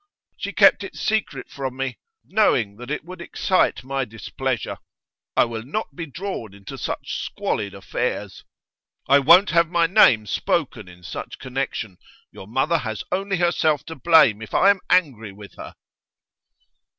She kept it secret from me, knowing that it would excite my displeasure. I will not be drawn into such squalid affairs; I won't have my name spoken in such connection. Your mother has only herself to blame if I am angry with her.